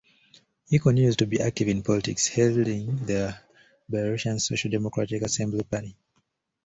He continues to be active in politics, heading the Belarusian Social Democratic Assembly party.